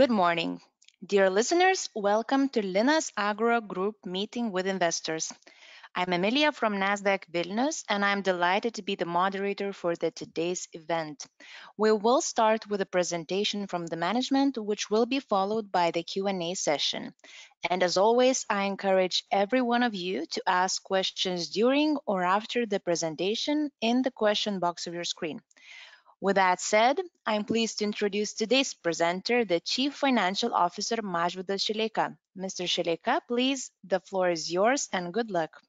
Good morning. Dear listeners, welcome to Linas Agro Group meeting with investors. I'm Emilija from Nasdaq Vilnius, and I'm delighted to be the moderator for today's event. We will start with a presentation from the management, which will be followed by the Q&A session. As always, I encourage every one of you to ask questions during or after the presentation in the question box of your screen. With that said, I'm pleased to introduce today's presenter, the Chief Financial Officer, Mažvydas Šileika. Mr. Šileika, please, the floor is yours, and good luck.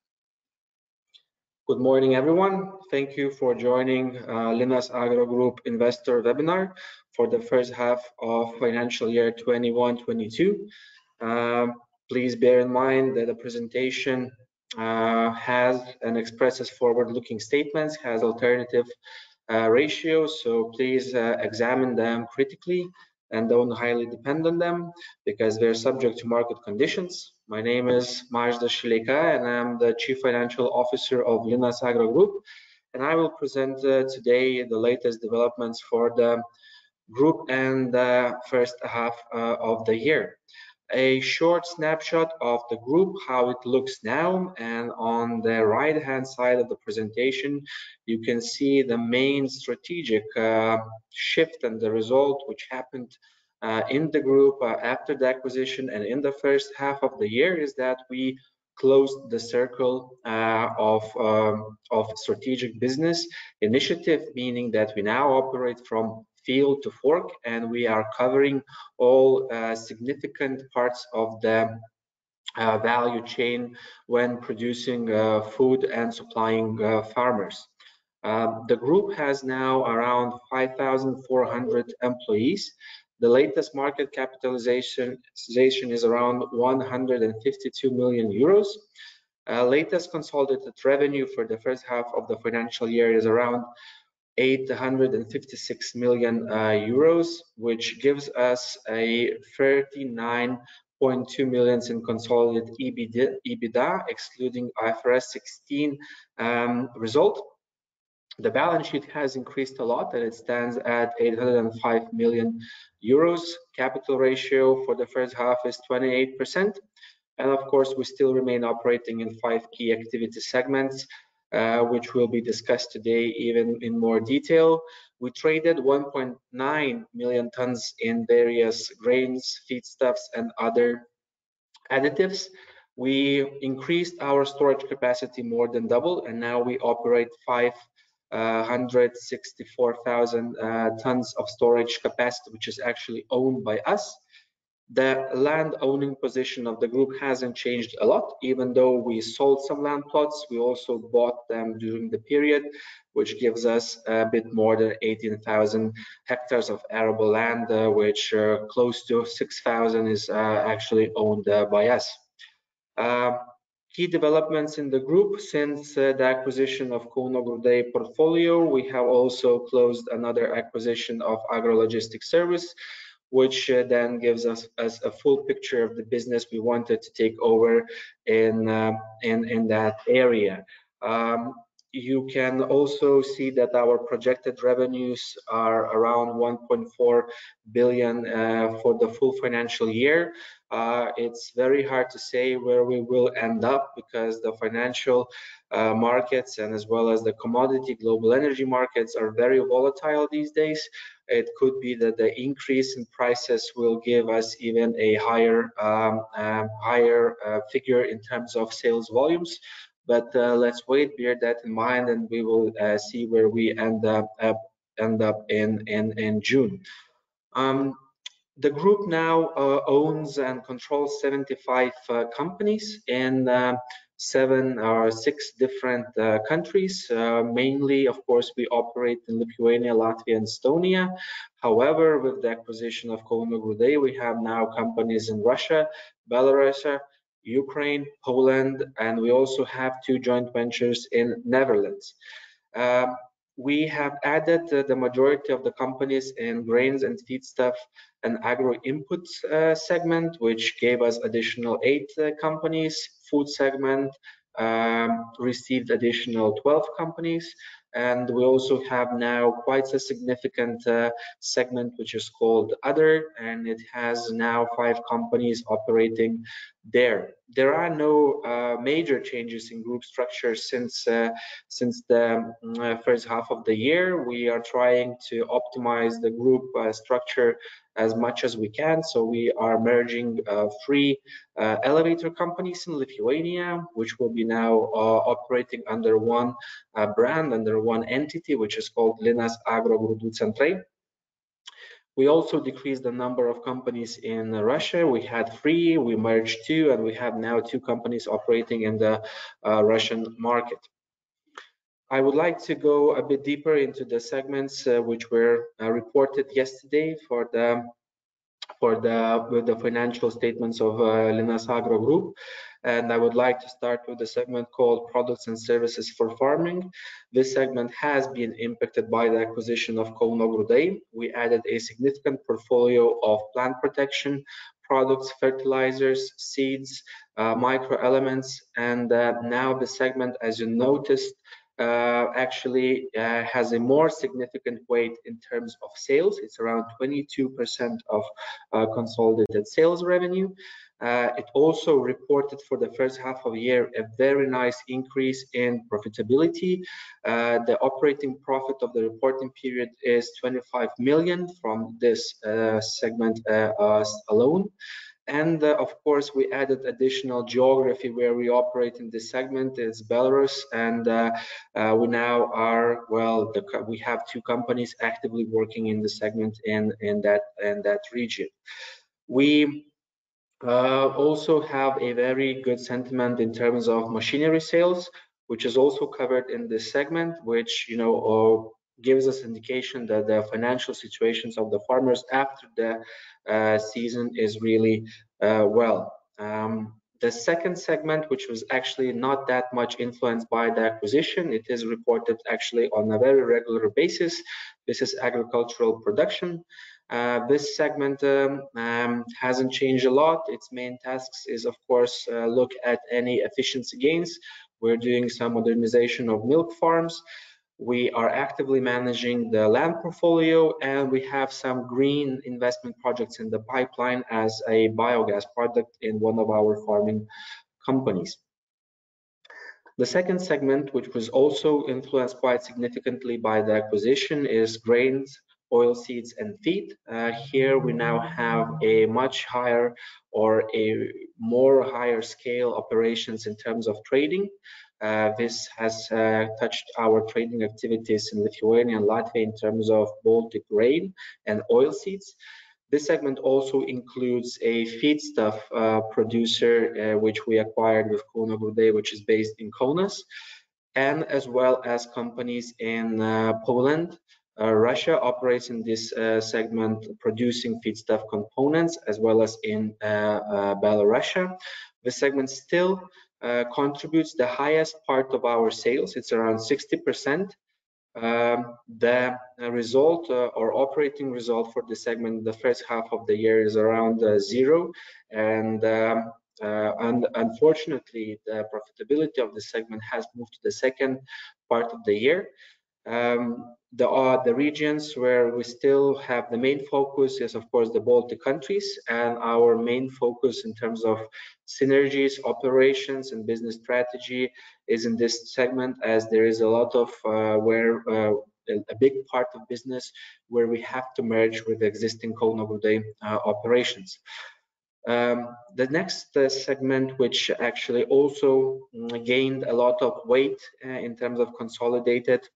Good morning, everyone. Thank you for joining Linas Agro Group investor webinar for the first half of financial year 2021-2022. Please bear in mind that the presentation has and expresses forward-looking statements, has alternative ratios, so please examine them critically and don't highly depend on them because they're subject to market conditions. My name is Mažvydas Šileika, and I'm the Chief Financial Officer of Linas Agro Group, and I will present today the latest developments for the group and the first half of the year. A short snapshot of the group, how it looks now, and on the right-hand side of the presentation, you can see the main strategic shift and the result which happened in the group after the acquisition and in the first half of the year is that we closed the circle of strategic business initiative, meaning that we now operate from field to fork, and we are covering all significant parts of the value chain when producing food and supplying farmers. The group has now around 5,400 employees. The latest market capitalization is around 152 million euros. Latest consolidated revenue for the first half of the financial year is around 856 million euros, which gives us 39.2 million in consolidated EBITDA, excluding IFRS 16, result. The balance sheet has increased a lot, and it stands at 805 million euros. Capital ratio for the first half is 28%. Of course, we still remain operating in five key activity segments, which will be discussed today even in more detail. We traded 1.9 million tons in various grains, feedstuffs, and other additives. We increased our storage capacity more than double, and now we operate 564,000 tons of storage capacity, which is actually owned by us. The land owning position of the group hasn't changed a lot. Even though we sold some land plots, we also bought them during the period, which gives us a bit more than 18,000 hectares of arable land, which close to 6,000 hectares is actually owned by us. Key developments in the group since the acquisition of Kauno Grūdai portfolio, we have also closed another acquisition of Agro Logistic Service, which then gives us a full picture of the business we wanted to take over in that area. You can also see that our projected revenues are around 1.4 billion for the full financial year. It's very hard to say where we will end up because the financial markets and as well as the commodity global energy markets are very volatile these days. It could be that the increase in prices will give us even a higher figure in terms of sales volumes. Let's wait, bear that in mind, and we will see where we end up in June. The group now owns and controls 75 companies in seven or six different countries. Mainly, of course, we operate in Lithuania, Latvia, and Estonia. However, with the acquisition of Kauno Grūdai, we have now companies in Russia, Belarus, Ukraine, Poland, and we also have two joint ventures in Netherlands. We have added the majority of the companies in grains and feedstuff and agro inputs segment, which gave us additional eight companies. Food segment received additional 12 companies. We also have now quite a significant segment, which is called Other, and it has now five companies operating there. There are no major changes in group structure since the first half of the year. We are trying to optimize the group structure as much as we can. We are merging three elevator companies in Lithuania, which will now be operating under one brand, under one entity, which is called Linas Agro Grūdų Centrai. We also decreased the number of companies in Russia. We had three, we merged two, and we have now two companies operating in the Russian market. I would like to go a bit deeper into the segments which were reported yesterday with the financial statements of Linas Agro Group. I would like to start with the segment called Products and Services for Farming. This segment has been impacted by the acquisition of Kauno Grūdai. We added a significant portfolio of plant protection products, fertilizers, seeds, micro elements. Now the segment, as you noticed, actually, has a more significant weight in terms of sales. It's around 22% of consolidated sales revenue. It also reported for the first half of the year a very nice increase in profitability. The operating profit of the reporting period is 25 million from this segment us alone. Of course, we added additional geography where we operate in this segment is Belarus. We have two companies actively working in this segment in that region. We also have a very good sentiment in terms of machinery sales, which is also covered in this segment, which, you know, gives us indication that the financial situations of the farmers after the season is really well. The second segment, which was actually not that much influenced by the acquisition, it is reported actually on a very regular basis. This is Agricultural Production. This segment hasn't changed a lot. Its main tasks is, of course, look at any efficiency gains. We're doing some modernization of milk farms. We are actively managing the land portfolio, and we have some green investment projects in the pipeline as a biogas project in one of our farming companies. The second segment, which was also influenced quite significantly by the acquisition, is Grain, Oilseeds, and Feed. Here we now have a much higher scale operations in terms of trading. This has touched our trading activities in Lithuania and Latvia in terms of Baltic grain and oilseeds. This segment also includes a feedstuff producer, which we acquired with Kauno Grūdai, which is based in Kaunas, as well as companies in Poland. Russia operates in this segment producing feedstock components as well as in Belarus. This segment still contributes the highest part of our sales. It's around 60%. The result or operating result for this segment the first half of the year is around zero. Unfortunately, the profitability of this segment has moved to the second part of the year. The regions where we still have the main focus is, of course, the Baltic countries. Our main focus in terms of synergies, operations, and business strategy is in this segment, as there is a lot where a big part of business where we have to merge with existing Kauno Grūdai operations. The next segment, which actually also gained a lot of weight in terms of consolidated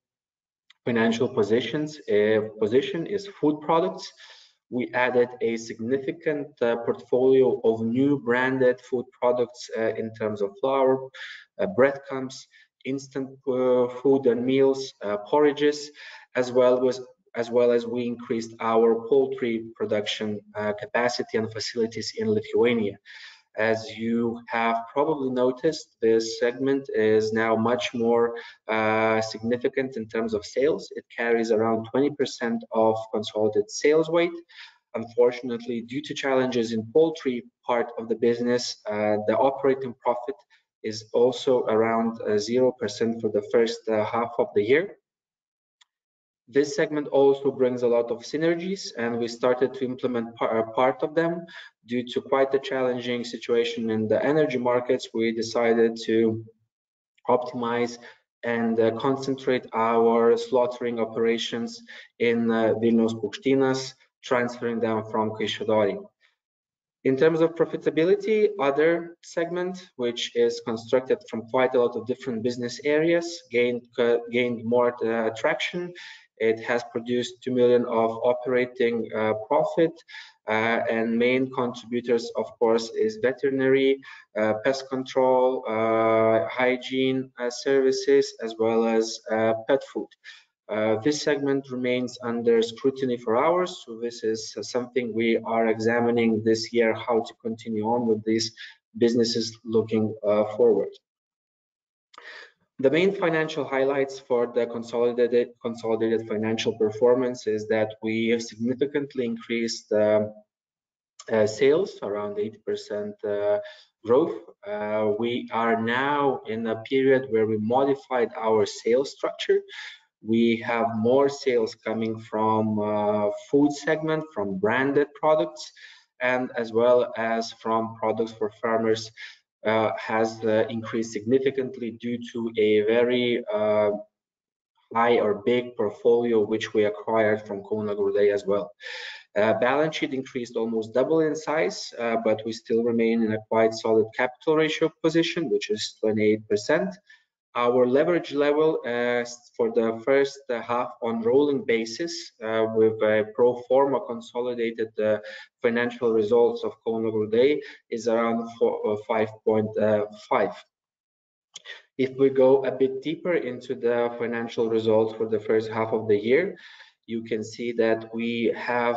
financial position, is Food Products. We added a significant portfolio of new branded Food Products in terms of flour, breadcrumbs, instant food and meals, porridges, as well as we increased our poultry production capacity and facilities in Lithuania. As you have probably noticed, this segment is now much more significant in terms of sales. It carries around 20% of consolidated sales weight. Unfortunately, due to challenges in poultry part of the business, the operating profit is also around 0% for the first half of the year. This segment also brings a lot of synergies, and we started to implement a part of them. Due to quite the challenging situation in the energy markets, we decided to optimize and concentrate our slaughtering operations in Vilniaus Paukštynas, transferring them from Kaišiadorių. In terms of profitability, Other segment, which is constructed from quite a lot of different business areas, gained more traction. It has produced 2 million of operating profit. And main contributors, of course, is veterinary, pest control, hygiene, services, as well as pet food. This segment remains under scrutiny for now, so this is something we are examining this year, how to continue on with these businesses looking forward. The main financial highlights for the consolidated financial performance is that we have significantly increased sales, around 8% growth. We are now in a period where we modified our sales structure. We have more sales coming from Food segment, from branded products, and as well as from products for farmers, has increased significantly due to a very high or big portfolio which we acquired from Kauno Grūdai as well. Balance sheet increased almost double in size, but we still remain in a quite solid capital ratio position, which is 28%. Our leverage level for the first half on rolling basis, with a pro forma consolidated financial results of Kauno Grūdai is around 5.5x. If we go a bit deeper into the financial results for the first half of the year, you can see that we have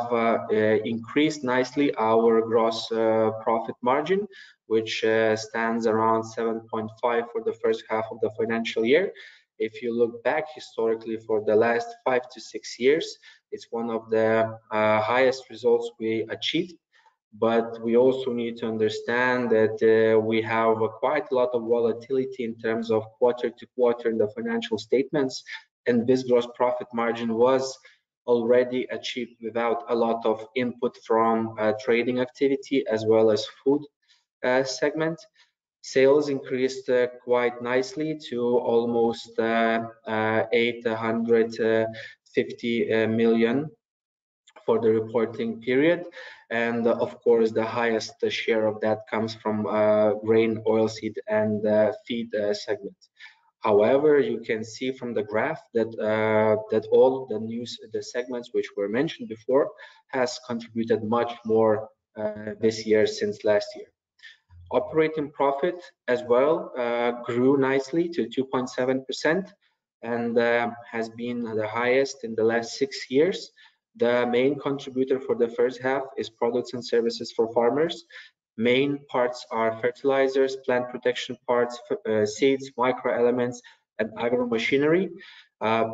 increased nicely our gross profit margin, which stands around 7.5% for the first half of the financial year. If you look back historically for the last 5-6 years, it's one of the highest results we achieved. We also need to understand that we have quite a lot of volatility in terms of quarter-to-quarter in the financial statements, and this gross profit margin was already achieved without a lot of input from trading activity as well as Food segment. Sales increased quite nicely to almost 850 million for the reporting period. Of course, the highest share of that comes from Grain, Oilseeds, and Feed segment. However, you can see from the graph that that all the new segments which were mentioned before has contributed much more this year since last year. Operating profit as well grew nicely to 2.7% and has been the highest in the last 6 years. The main contributor for the first half is Products and Services for Farmers. Main parts are fertilizers, plant protection products, seeds, micro elements and agro machinery.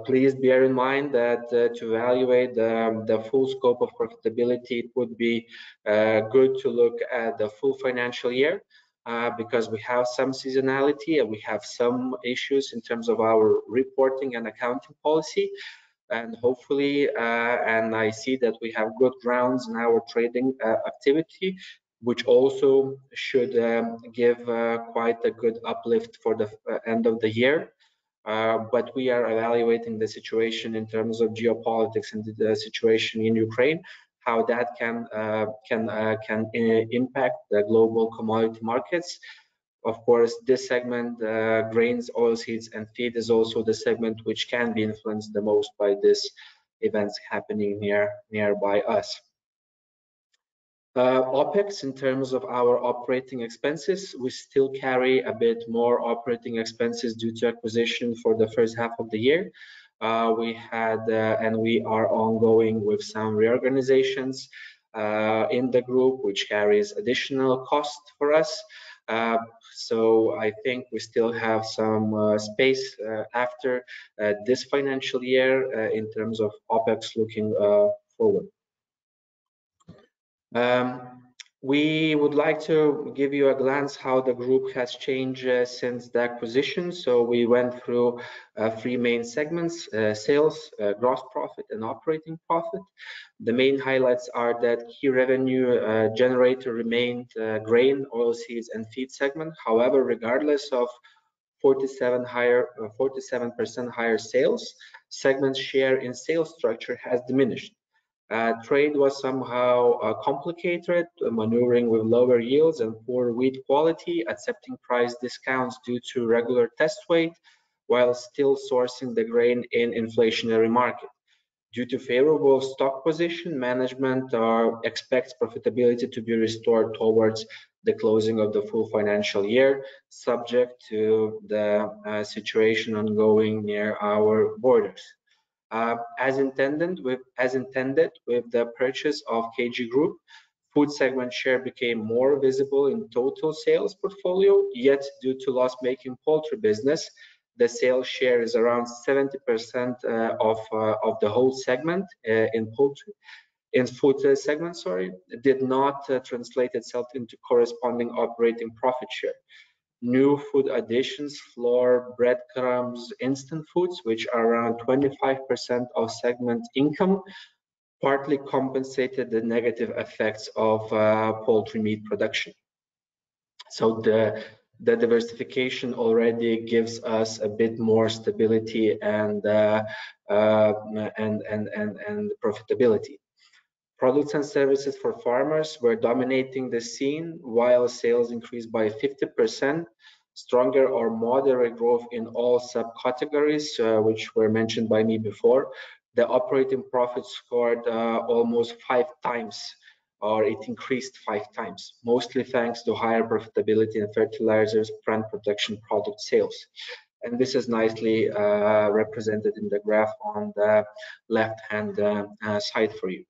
Please bear in mind that to evaluate the full scope of profitability, it would be good to look at the full financial year because we have some seasonality and we have some issues in terms of our reporting and accounting policy. Hopefully, I see that we have good grounds in our trading activity, which also should give quite a good uplift for the end of the year. We are evaluating the situation in terms of geopolitics and the situation in Ukraine, how that can impact the global commodity markets. Of course, this segment, Grain, Oilseeds, and Feed, is also the segment which can be influenced the most by these events happening nearby us. OpEx in terms of our operating expenses, we still carry a bit more operating expenses due to acquisition for the first half of the year. We are ongoing with some reorganizations in the group, which carries additional cost for us. I think we still have some space after this financial year in terms of OpEx looking forward. We would like to give you a glimpse how the group has changed since the acquisition. We went through three main segments, sales, gross profit and operating profit. The main highlights are that key revenue generator remained Grain, Oilseeds, and Feed segment. However, regardless of 47% higher sales, segment share in sales structure has diminished. Trade was somehow complicated, maneuvering with lower yields and poor wheat quality, accepting price discounts due to regular test weight, while still sourcing the grain in inflationary market. Due to favorable stock position, management expects profitability to be restored towards the closing of the full financial year, subject to the situation ongoing near our borders. As intended with the purchase of KG Group, Food segment share became more visible in total sales portfolio. Yet, due to loss-making poultry business, the sales share is around 70% of the whole segment in the Food segment. It did not translate itself into corresponding operating profit share. New food additions, flour, breadcrumbs, instant foods, which are around 25% of segment income, partly compensated the negative effects of poultry meat production. The diversification already gives us a bit more stability and profitability. Products and Services for Farmers were dominating the scene while sales increased by 50%, stronger or moderate growth in all subcategories, which were mentioned by me before. The operating profit scored almost 5x, or it increased 5x, mostly thanks to higher profitability in fertilizers, plant protection product sales. This is nicely represented in the graph on the left-hand side for you.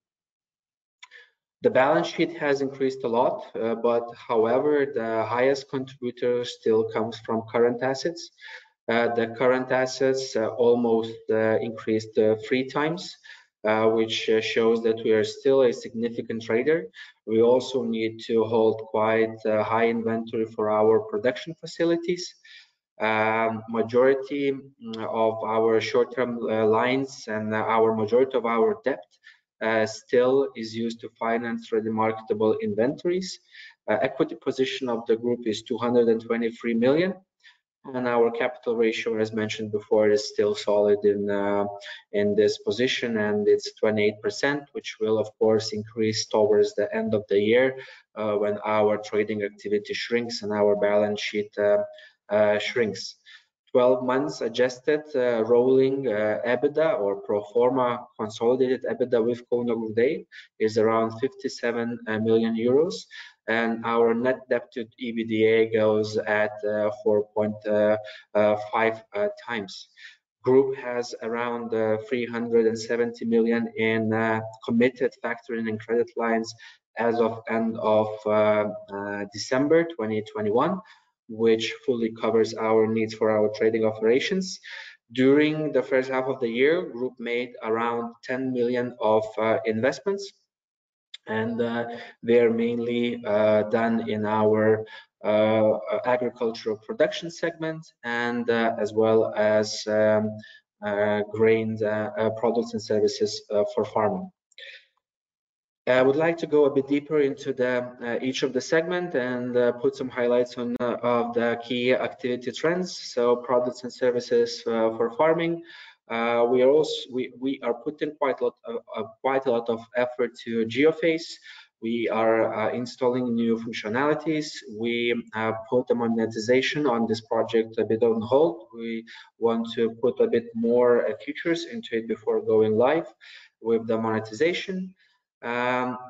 The balance sheet has increased a lot, but however, the highest contributor still comes from current assets. The current assets almost increased 3x, which shows that we are still a significant trader. We also need to hold quite high inventory for our production facilities. Majority of our short-term lines and our majority of our debt still is used to finance ready marketable inventories. Equity position of the group is 223 million, and our capital ratio, as mentioned before, is still solid in this position, and it's 28%, which will of course increase towards the end of the year, when our trading activity shrinks and our balance sheet shrinks. 12 months adjusted rolling EBITDA or pro forma consolidated EBITDA with Kauno Grūdai is around 57 million euros, and our net debt to EBITDA goes at 4.5x. Group has around 370 million in committed factoring and credit lines as of end of December 2021, which fully covers our needs for our trading operations. During the first half of the year, group made around 10 million of investments, and they are mainly done in our Agricultural Production segment and as well as grains products and services for farming. I would like to go a bit deeper into the each of the segment and put some highlights on of the key activity trends. Products and services for farming we are also. We are putting quite a lot of effort to GeoFace. We are installing new functionalities. We have put the monetization on this project a bit on hold. We want to put a bit more features into it before going live with the monetization.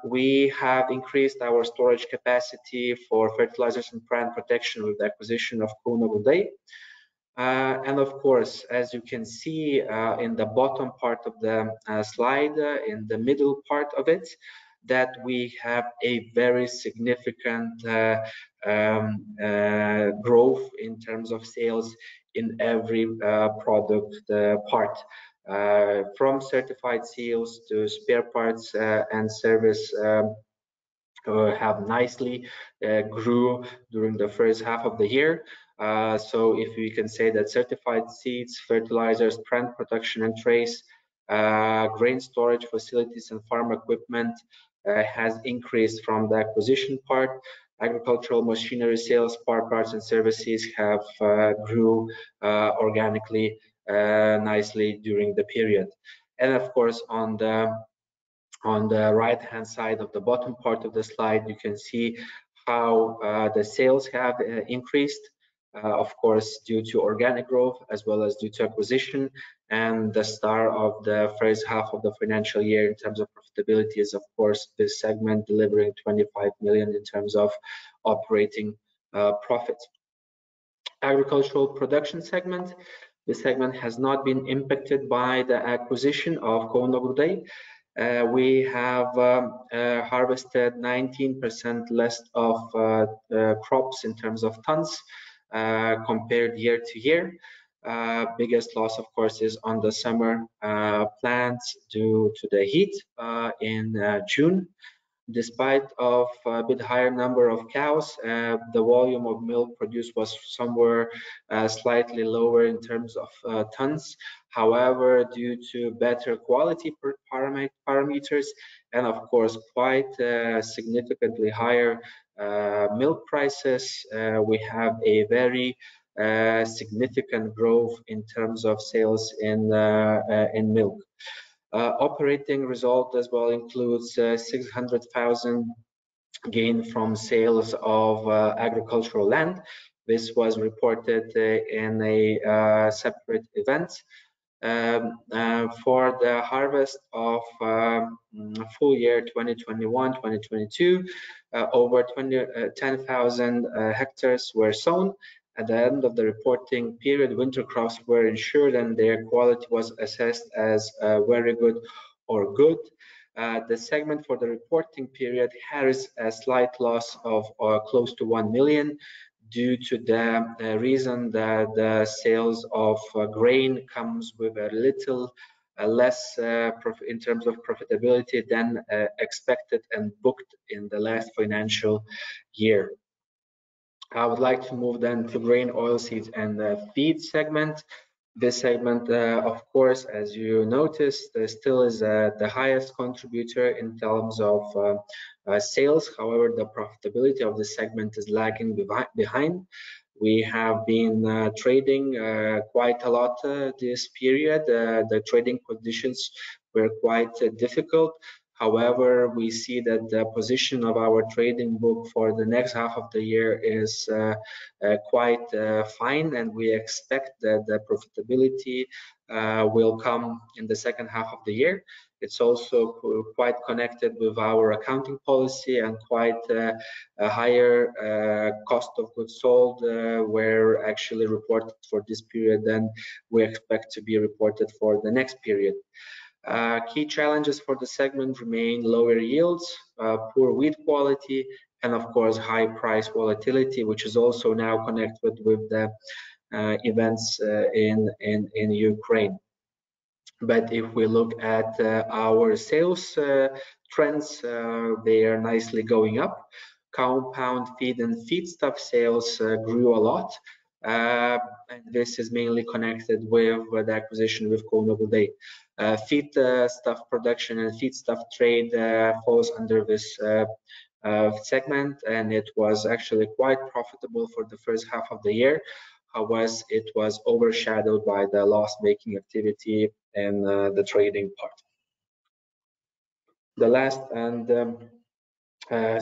We have increased our storage capacity for fertilizers and plant protection with the acquisition of Kauno Grūdai. And of course, as you can see, in the bottom part of the slide, in the middle part of it, that we have a very significant growth in terms of sales in every product part, from certified seeds to spare parts and service, have nicely grew during the first half of the year. If you can say that certified seeds, fertilizers, plant protection and trace, grain storage facilities and farm equipment has increased from the acquisition part, agricultural machinery sales, spare parts and services have grew organically nicely during the period. Of course, on the right-hand side of the bottom part of the slide, you can see how the sales have increased, of course, due to organic growth as well as due to acquisition. The star of the first half of the financial year in terms of profitability is, of course, this segment delivering 25 million in terms of operating profits. Agricultural Production segment. This segment has not been impacted by the acquisition of Kauno Grūdai. We have harvested 19% less of crops in terms of tons compared year-over-year. Biggest loss, of course, is on the summer plants due to the heat in June. Despite a bit higher number of cows, the volume of milk produced was somewhere slightly lower in terms of tons. However, due to better quality parameters and of course, quite significantly higher milk prices, we have a very significant growth in terms of sales in milk. Operating result as well includes 600,000 gain from sales of agricultural land. This was reported in a separate event. For the harvest of full year 2021, 2022, over 20,000 hectares were sown. At the end of the reporting period, winter crops were insured and their quality was assessed as very good or good. The segment for the reporting period has a slight loss of close to 1 million due to the reason that the sales of grain comes with a little less profit in terms of profitability than expected and booked in the last financial year. I would like to move then to the Grain, Oilseeds, and Feed segment. This segment, of course, as you noticed, still is the highest contributor in terms of sales. However, the profitability of this segment is lagging behind. We have been trading quite a lot this period. The trading conditions were quite difficult. However, we see that the position of our trading book for the next half of the year is quite fine, and we expect that the profitability will come in the second half of the year. It's also quite connected with our accounting policy and quite a higher cost of goods sold were actually reported for this period than we expect to be reported for the next period. Key challenges for the segment remain lower yields, poor wheat quality, and of course, high price volatility, which is also now connected with the events in Ukraine. If we look at our sales trends, they are nicely going up. Compound feed and feedstuff sales grew a lot. This is mainly connected with the acquisition with Kauno Grūdai. Feedstuff production and feedstuff trade falls under this segment, and it was actually quite profitable for the first half of the year. Otherwise, it was overshadowed by the loss-making activity in the trading part. The last and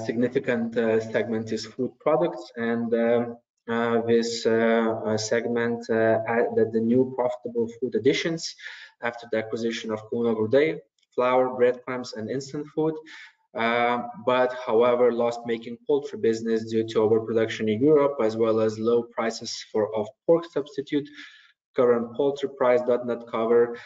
significant segment is Food Products, and this segment the new profitable food additions after the acquisition of Kauno Grūdai, flour, breadcrumbs and instant food. However, loss-making poultry business due to overproduction in Europe as well as low prices of pork substitute. Current poultry price does not cover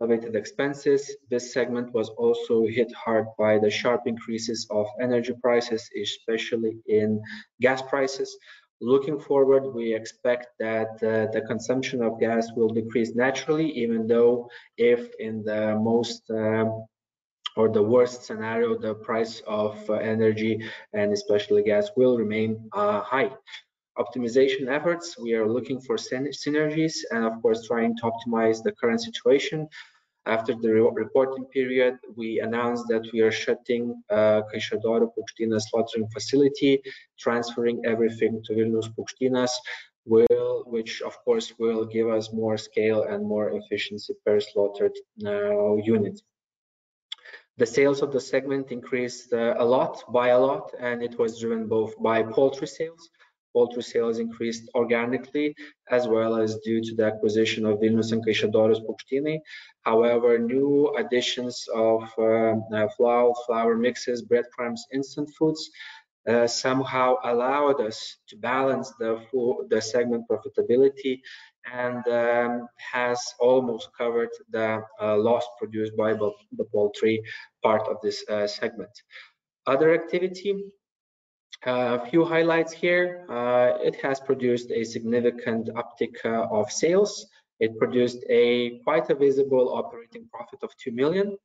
elevated expenses. This segment was also hit hard by the sharp increases of energy prices, especially in gas prices. Looking forward, we expect that the consumption of gas will decrease naturally even though if in the most or the worst scenario, the price of energy and especially gas will remain high. Optimization efforts, we are looking for synergies and of course trying to optimize the current situation. After the reporting period, we announced that we are shutting Kaišiadorių Paukštynas slaughtering facility, transferring everything to Vilniaus Paukštynas, which of course will give us more scale and more efficiency per slaughtered unit. The sales of the segment increased a lot, by a lot, and it was driven both by poultry sales. Poultry sales increased organically as well as due to the acquisition of Vilniaus and Kaišiadorių Paukštynas. However, new additions of flour mixes, breadcrumbs, instant foods somehow allowed us to balance the segment profitability and has almost covered the loss produced by both the poultry part of this segment. Other activity, a few highlights here. It has produced a significant uptick of sales. It produced a quite visible operating profit of 2 million.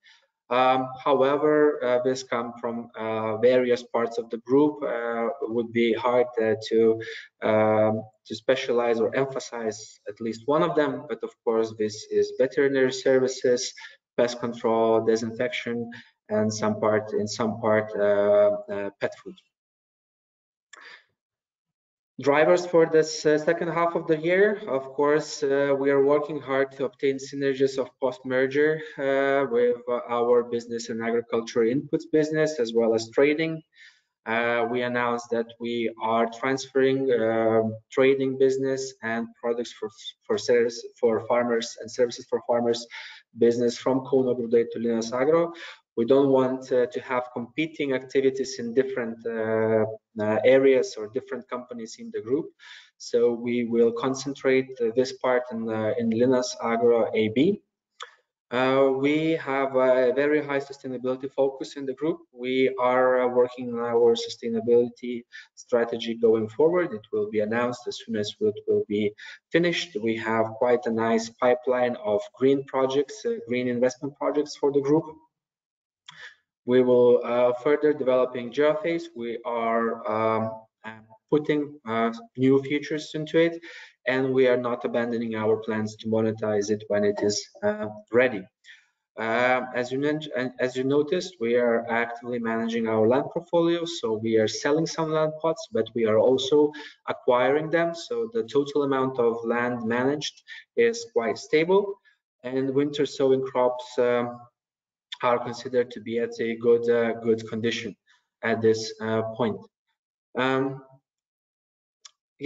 However, this comes from various parts of the group. It would be hard to specialize or emphasize at least one of them. Of course, this is veterinary services, pest control, disinfection and some part pet food. Drivers for this second half of the year, of course, we are working hard to obtain synergies of post-merger with our business and agriculture inputs business as well as trading. We announced that we are transferring trading business and Products and Services for Farmers business from Kauno Grūdai to Linas Agro. We don't want to have competing activities in different areas or different companies in the group, so we will concentrate this part in Linas Agro AB. We have a very high sustainability focus in the group. We are working on our sustainability strategy going forward. It will be announced as soon as it will be finished. We have quite a nice pipeline of green projects, green investment projects for the group. We will further developing GeoFace. We are putting new features into it, and we are not abandoning our plans to monetize it when it is ready. As you noticed, we are actively managing our land portfolio, so we are selling some land plots, but we are also acquiring them. So the total amount of land managed is quite stable. Winter sowing crops are considered to be at a good condition at this point.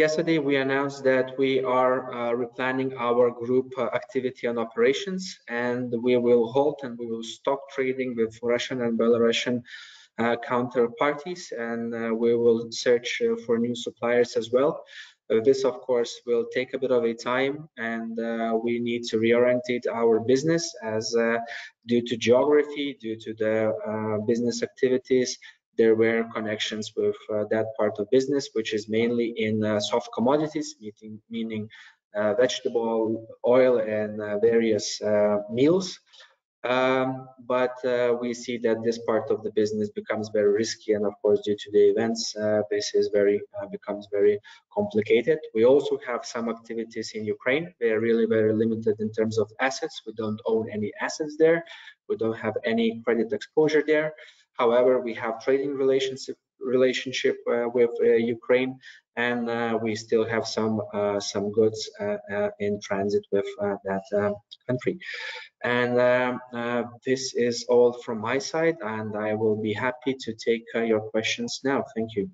Yesterday we announced that we are replanning our group activity and operations, and we will halt and we will stop trading with Russian and Belarusian counterparties, and we will search for new suppliers as well. This of course will take a bit of a time, and we need to reorient our business as due to geography, due to the business activities, there were connections with that part of business, which is mainly in soft commodities, meaning vegetable oil and various meals. We see that this part of the business becomes very risky. Of course, due to the events, this becomes very complicated. We also have some activities in Ukraine. They are really very limited in terms of assets. We don't own any assets there. We don't have any credit exposure there. However, we have trading relationship with Ukraine, and we still have some goods in transit with that country. This is all from my side, and I will be happy to take your questions now. Thank you.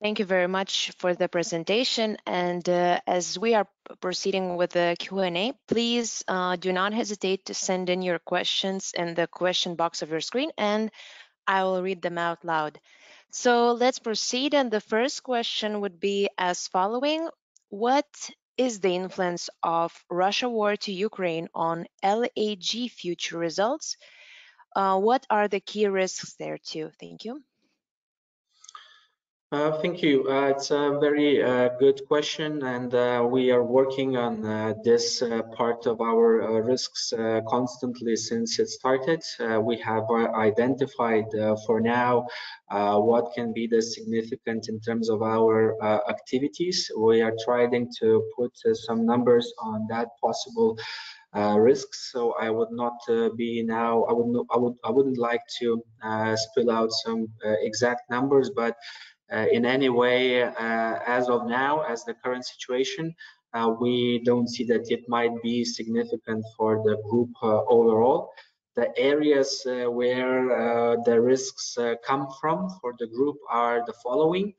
Thank you very much for the presentation. As we are proceeding with the Q&A, please do not hesitate to send in your questions in the question box of your screen, and I will read them out loud. Let's proceed. The first question would be as following: What is the influence of Russian war in Ukraine on LAG future results? What are the key risks there too? Thank you. Thank you. It's a very good question, and we are working on this part of our risks constantly since it started. We have identified, for now, what can be the significant in terms of our activities. We are trying to put some numbers on that possible risks. I wouldn't like to spell out some exact numbers. In any way, as of now, as the current situation, we don't see that it might be significant for the group overall. The areas where the risks come from for the group are the following.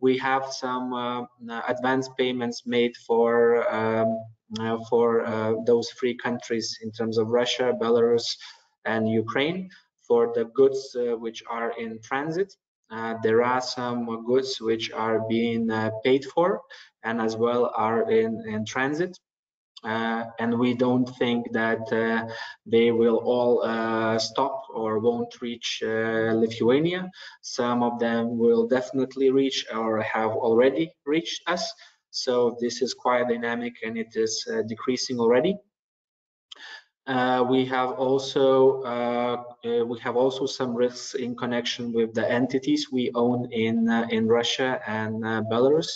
We have some advanced payments made for those three countries in terms of Russia, Belarus and Ukraine for the goods which are in transit. There are some goods which are being paid for and as well are in transit. We don't think that they will all stop or won't reach Lithuania. Some of them will definitely reach or have already reached us, so this is quite dynamic, and it is decreasing already. We have also some risks in connection with the entities we own in Russia and Belarus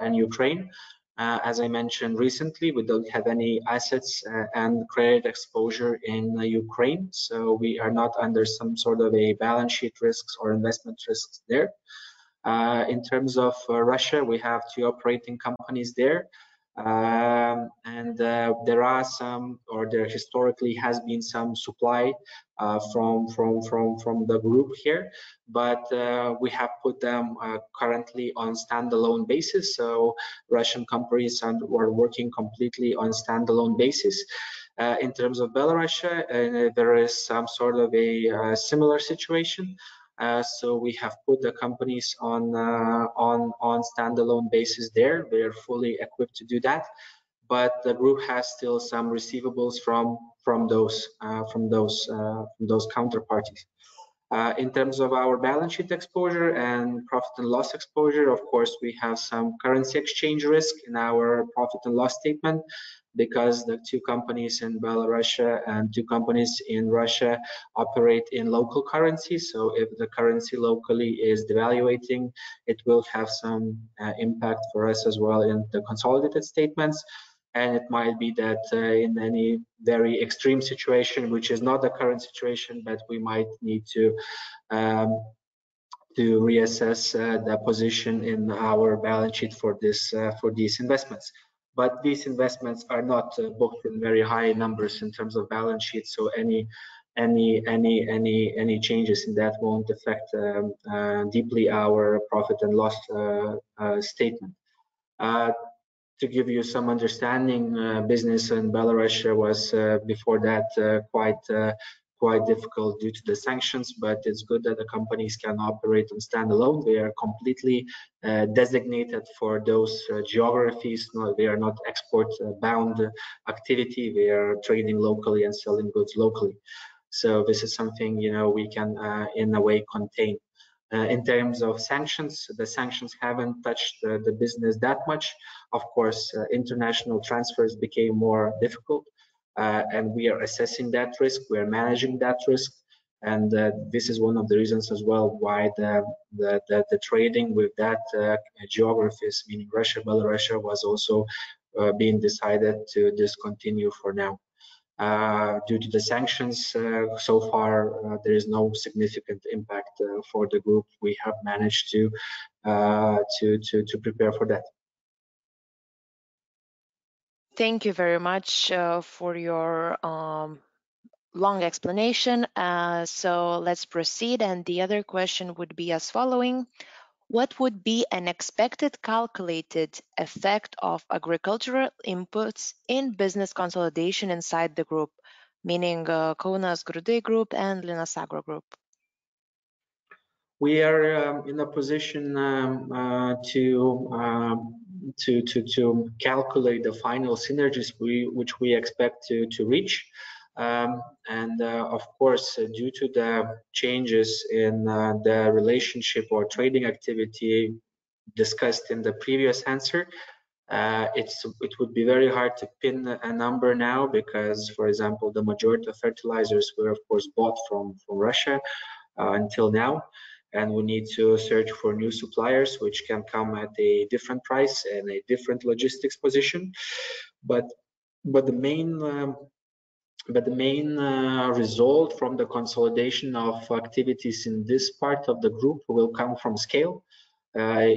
and Ukraine. As I mentioned recently, we don't have any assets and credit exposure in Ukraine, so we are not under some sort of a balance sheet risks or investment risks there. In terms of Russia, we have two operating companies there. There historically has been some supply from the group here, but we have put them currently on standalone basis. The Russian companies are working completely on standalone basis. In terms of Belarus, there is some sort of a similar situation. We have put the companies on standalone basis there. They are fully equipped to do that. The group has still some receivables from those counterparties. In terms of our balance sheet exposure and profit and loss exposure, of course, we have some currency exchange risk in our profit and loss statement because the two companies in Belarus and two companies in Russia operate in local currency. If the currency locally is devaluing, it will have some impact for us as well in the consolidated statements. It might be that in any very extreme situation, which is not the current situation, but we might need to reassess the position in our balance sheet for these investments. These investments are not booked in very high numbers in terms of balance sheet. Any changes in that won't affect deeply our profit and loss statement. To give you some understanding, business in Belarus was before that quite difficult due to the sanctions. It's good that the companies can operate on standalone. They are completely designated for those geographies. No, they are not export bound activity. They are trading locally and selling goods locally. This is something, you know, we can in a way contain. In terms of sanctions, the sanctions haven't touched the business that much. Of course, international transfers became more difficult, and we are assessing that risk. We are managing that risk. This is one of the reasons as well why the trading with that geographies, meaning Russia, Belarus, was also being decided to discontinue for now. Due to the sanctions, so far, there is no significant impact for the group. We have managed to prepare for that. Thank you very much for your long explanation. So let's proceed. The other question would be as follows: What would be an expected calculated effect of agricultural inputs in business consolidation inside the group, meaning Kauno Grūdai Group and Linas Agro Group? We are in a position to calculate the final synergies which we expect to reach. Of course, due to the changes in the relationship or trading activity discussed in the previous answer, it would be very hard to pin a number now because, for example, the majority of fertilizers were, of course, bought from Russia until now, and we need to search for new suppliers, which can come at a different price and a different logistics position. The main result from the consolidation of activities in this part of the group will come from scale.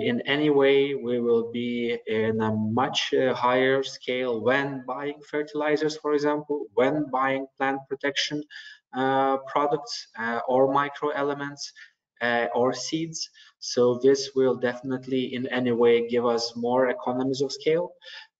In any way, we will be in a much higher scale when buying fertilizers, for example, when buying plant protection products, or micro elements, or seeds. This will definitely in any way give us more economies of scale.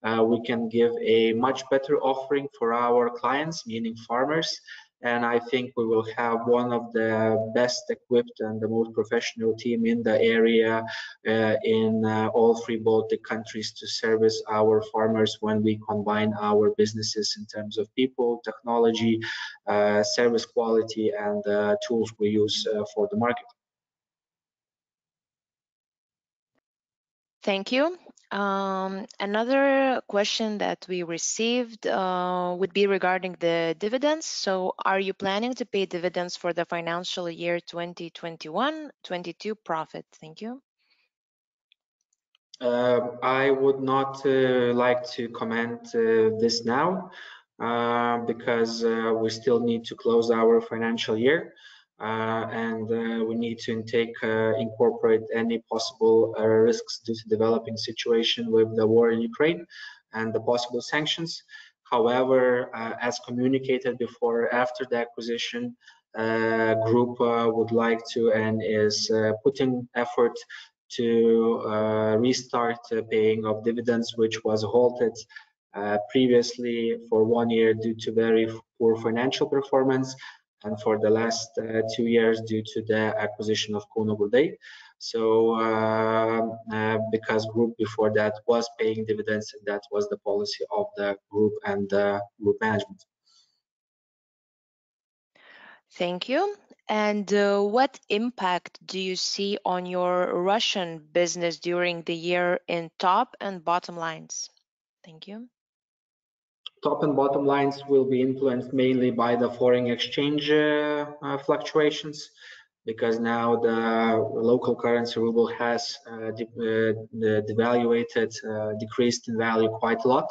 We can give a much better offering for our clients, meaning farmers. I think we will have one of the best equipped and the most professional team in the area, in all three Baltic countries to service our farmers when we combine our businesses in terms of people, technology, service quality and tools we use for the market. Thank you. Another question that we received would be regarding the dividends. Are you planning to pay dividends for the financial year 2021, 2020 profit? Thank you. I would not like to comment this now because we still need to close our financial year. We need to incorporate any possible risks due to developing situation with the war in Ukraine and the possible sanctions. However, as communicated before or after the acquisition, group would like to and is putting effort to restart paying of dividends, which was halted previously for 1 year due to very poor financial performance and for the last 2 years due to the acquisition of Kauno Grūdai. Because group before that was paying dividends, that was the policy of the group and the group management. Thank you. What impact do you see on your Russian business during the year in top and bottom lines? Thank you. Top and bottom lines will be influenced mainly by the foreign exchange fluctuations, because now the local currency ruble has devalued, decreased in value quite a lot.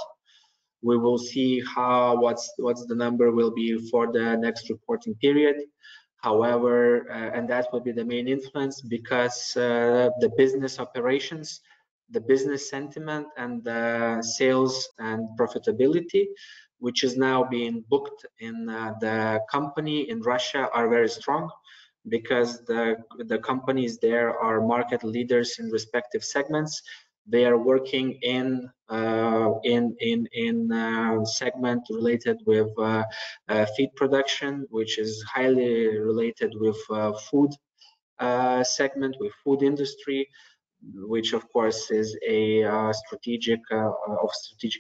We will see what the number will be for the next reporting period. However, that will be the main influence because the business operations, the business sentiment and the sales and profitability, which is now being booked in the company in Russia are very strong because the companies there are market leaders in respective segments. They are working in segment related with feed production, which is highly related with Food segment, with food industry, which of course is of strategic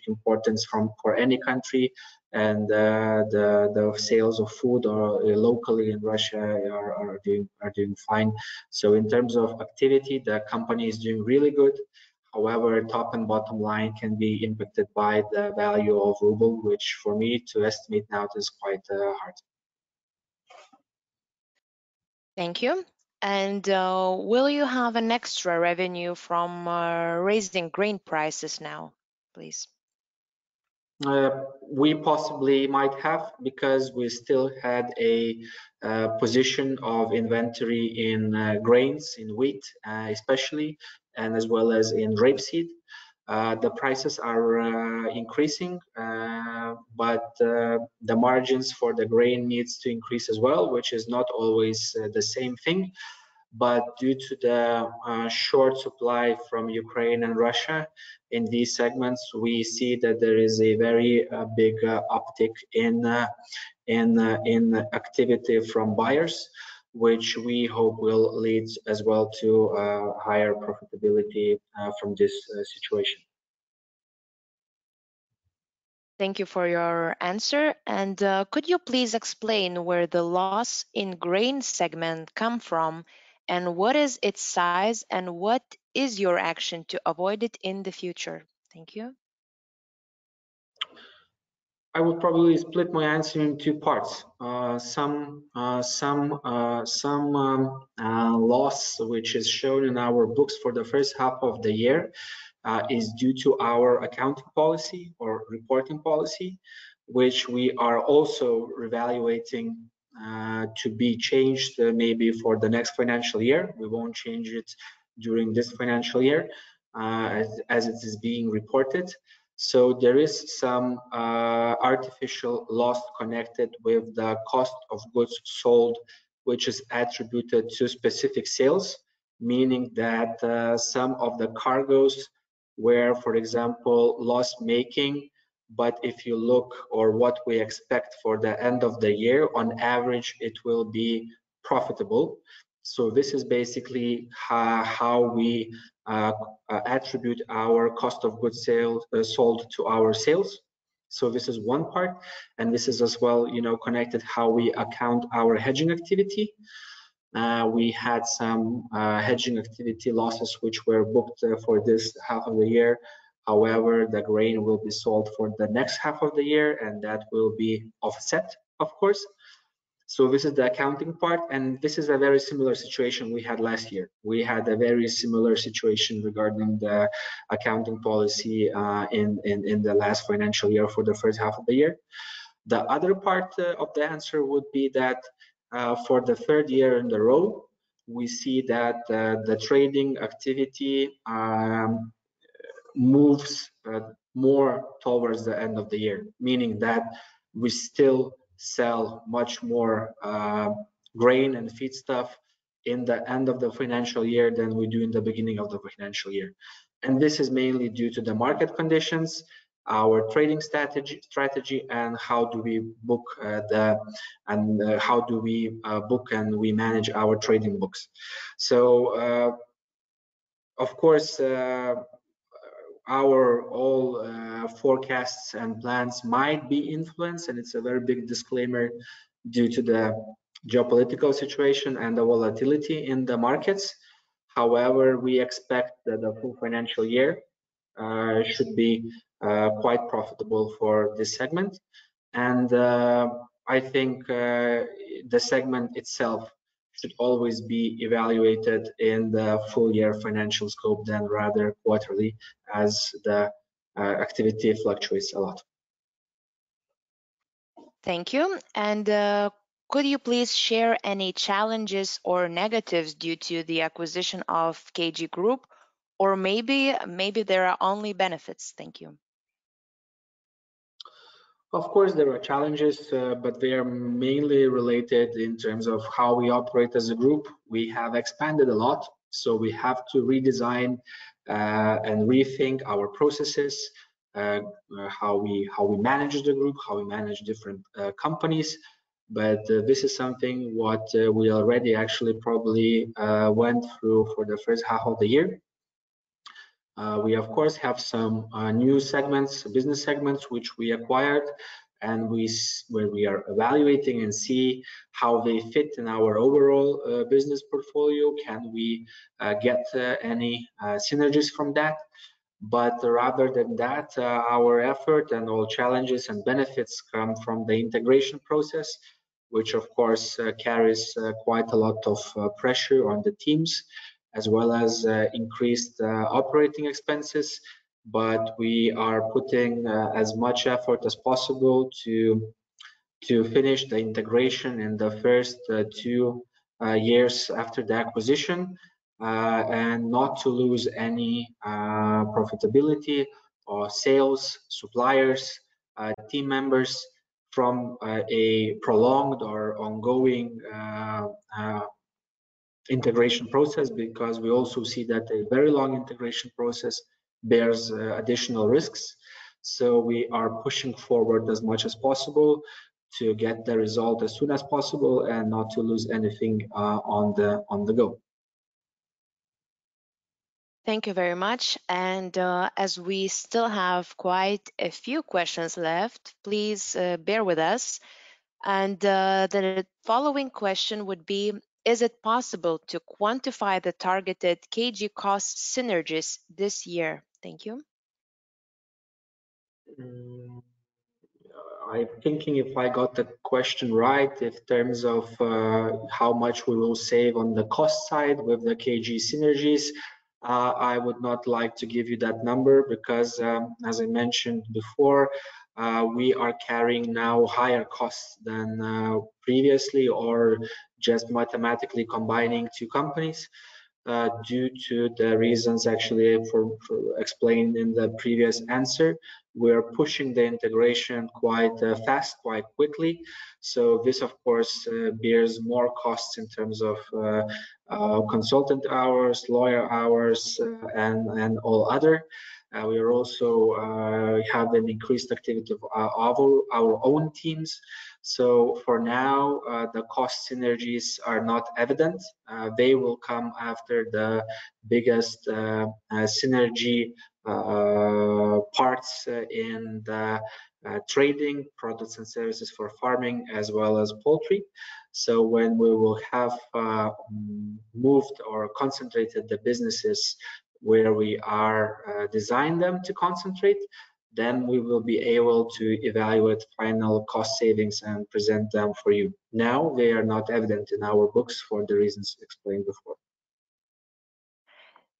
importance for any country. The sales of food are locally in Russia doing fine. In terms of activity, the company is doing really good. However, top and bottom line can be impacted by the value of ruble, which for me to estimate now is quite hard. Thank you. Will you have an extra revenue from raising grain prices now, please? We possibly might have because we still had a position of inventory in grains, in wheat especially, and as well as in rapeseed. The prices are increasing, but the margins for the grain needs to increase as well, which is not always the same thing. Due to the short supply from Ukraine and Russia in these segments, we see that there is a very big uptick in activity from buyers, which we hope will lead as well to higher profitability from this situation. Thank you for your answer. Could you please explain where the loss in grain segment come from, and what is its size, and what is your action to avoid it in the future? Thank you. I would probably split my answer in two parts. Some loss which is shown in our books for the first half of the year is due to our accounting policy or reporting policy, which we are also reevaluating to be changed maybe for the next financial year. We won't change it during this financial year as it is being reported. There is some artificial loss connected with the cost of goods sold, which is attributed to specific sales, meaning that some of the cargos were, for example, loss-making. If you look at what we expect for the end of the year, on average it will be profitable. This is basically how we attribute our cost of goods sold to our sales. This is one part, and this is as well, you know, connected how we account our hedging activity. We had some hedging activity losses which were booked for this half of the year. However, the grain will be sold for the next half of the year, and that will be offset, of course. This is the accounting part, and this is a very similar situation we had last year. We had a very similar situation regarding the accounting policy in the last financial year for the first half of the year. The other part of the answer would be that, for the third year in a row, we see that the trading activity moves more towards the end of the year, meaning that we still sell much more grain and feedstuff in the end of the financial year than we do in the beginning of the financial year. This is mainly due to the market conditions, our trading strategy, and how we book and manage our trading books. Of course, our all forecasts and plans might be influenced, and it's a very big disclaimer due to the geopolitical situation and the volatility in the markets. However, we expect that the full financial year should be quite profitable for this segment. I think the segment itself should always be evaluated in the full year financial scope rather than quarterly as the activity fluctuates a lot. Thank you. Could you please share any challenges or negatives due to the acquisition of KG Group? Or maybe there are only benefits. Thank you. Of course, there are challenges, but they are mainly related in terms of how we operate as a group. We have expanded a lot, so we have to redesign and rethink our processes, how we manage the group, how we manage different companies. This is something what we already actually probably went through for the first half of the year. We of course have some new segments, business segments, which we acquired, and well, we are evaluating and see how they fit in our overall business portfolio. Can we get any synergies from that? Rather than that, our effort and all challenges and benefits come from the integration process, which of course carries quite a lot of pressure on the teams as well as increased operating expenses. We are putting as much effort as possible to finish the integration in the first 2 years after the acquisition and not to lose any profitability or sales, suppliers, team members from a prolonged or ongoing integration process because we also see that a very long integration process bears additional risks. We are pushing forward as much as possible to get the result as soon as possible and not to lose anything on the go. Thank you very much. As we still have quite a few questions left, please bear with us. The following question would be, is it possible to quantify the targeted KG cost synergies this year? Thank you. I'm thinking if I got the question right in terms of how much we will save on the cost side with the KG synergies. I would not like to give you that number because, as I mentioned before, we are carrying now higher costs than previously, or just mathematically combining two companies, due to the reasons actually explained in the previous answer. We are pushing the integration quite fast, quite quickly. This, of course, bears more costs in terms of consultant hours, lawyer hours, and all other. We also have an increased activity of our own teams. For now, the cost synergies are not evident. They will come after the biggest synergy parts in the trading products and services for farming as well as poultry. When we will have moved or concentrated the businesses where we are designed them to concentrate, then we will be able to evaluate final cost savings and present them for you. Now, they are not evident in our books for the reasons explained before.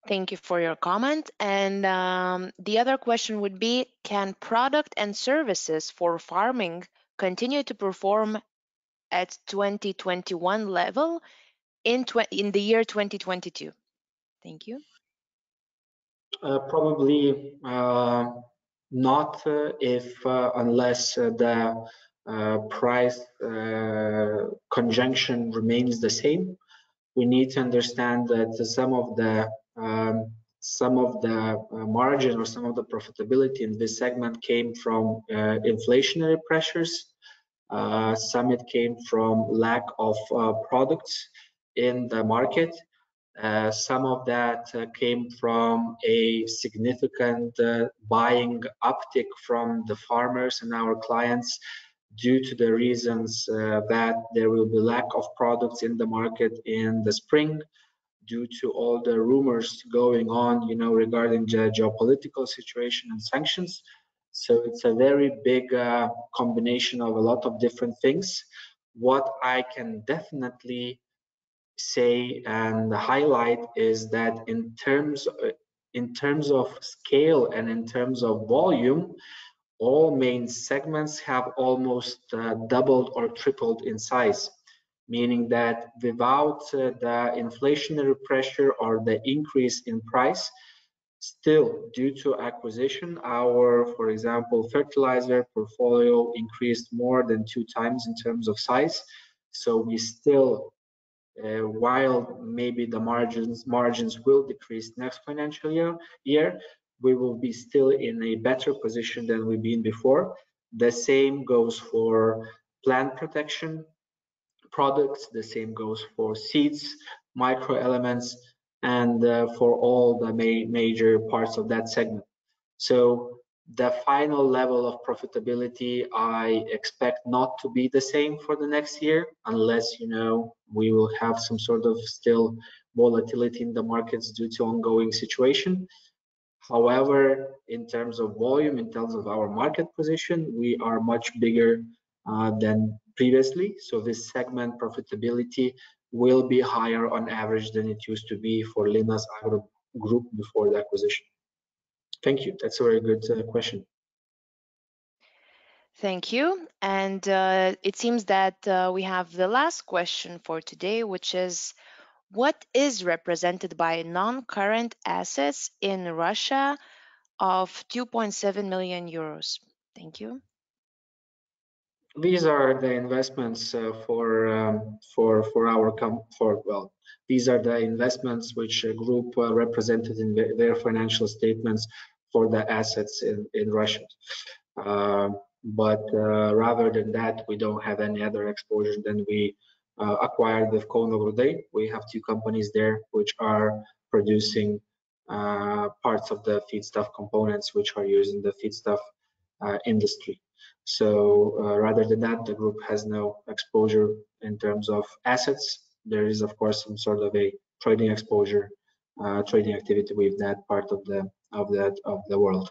Thank you for your comment. The other question would be, can product and services for farming continue to perform at 2021 level in the year 2022? Thank you. Probably not, unless the price condition remains the same. We need to understand that some of the margin or some of the profitability in this segment came from inflationary pressures. Some of it came from lack of products in the market. Some of that came from a significant buying uptick from the farmers and our clients due to the reasons that there will be lack of products in the market in the spring due to all the rumors going on, you know, regarding the geopolitical situation and sanctions. It's a very big combination of a lot of different things. What I can definitely say and highlight is that in terms of scale and in terms of volume, all main segments have almost doubled or tripled in size. Meaning that without the inflationary pressure or the increase in price, still, due to acquisition, our, for example, fertilizer portfolio increased more than 2x in terms of size. We still, while maybe the margins will decrease next financial year, we will be still in a better position than we've been before. The same goes for plant protection products, the same goes for seeds, micro elements, and for all the major parts of that segment. The final level of profitability, I expect not to be the same for the next year, unless, you know, we will have some sort of still volatility in the markets due to ongoing situation. However, in terms of volume, in terms of our market position, we are much bigger than previously. This segment profitability will be higher on average than it used to be for Linas Agro Group before the acquisition. Thank you. That's a very good question. Thank you. It seems that we have the last question for today, which is, what is represented by non-current assets in Russia of 2.7 million euros? Thank you. These are the investments which the group represented in their financial statements for the assets in Russia. Rather than that, we don't have any other exposure than we acquired with Kauno Grūdai. We have two companies there which are producing parts of the feedstuffs components which are used in the feedstuffs industry. Rather than that, the group has no exposure in terms of assets. There is, of course, some sort of a trading exposure, trading activity with that part of the world.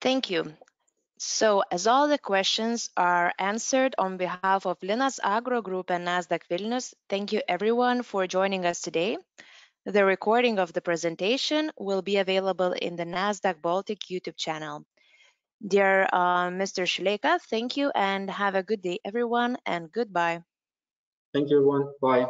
Thank you. As all the questions are answered on behalf of Linas Agro Group and Nasdaq Vilnius, thank you everyone for joining us today. The recording of the presentation will be available in the Nasdaq Baltic YouTube channel. Dear Mr. Šileika, thank you and have a good day, everyone, and goodbye. Thank you, everyone. Bye.